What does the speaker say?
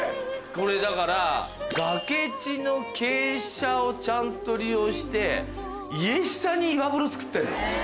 これだから崖地の傾斜をちゃんと利用して家下に岩風呂造ってんの？